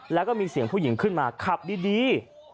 แล้วก็มีเสียงผู้หญิงขึ้นมาขับดี